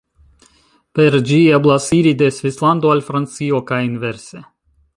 Per ĝi eblas iri de Svislando al Francio kaj inverse.